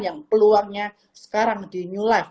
yang peluangnya sekarang di new life